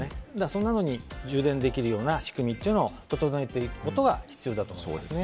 そんなのに充電できるような仕組みを整えることが必要だと思います。